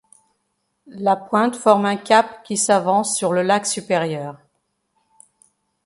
La Pointe forme un cap qui s'avance dans le lac Supérieur.